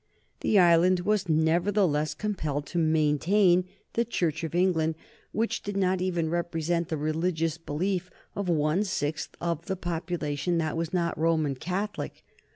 The island was nevertheless compelled to maintain the State Church, which did not even represent the religious belief of the one sixth of the population that was not Roman Catholic.